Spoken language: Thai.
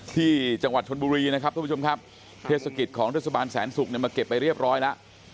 ที่จังหวัดชนบุรีนะครับทุกผู้ชมครับเทศกิจของเทศบาลแสนศุกร์เนี่ยมาเก็บไปเรียบร้อยแล้ว